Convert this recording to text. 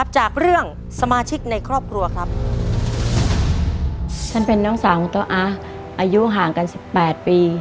ซึ่งเป็นคำตอบที่